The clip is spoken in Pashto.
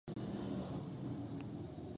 ډېره مننه له محترم مدير صيب څخه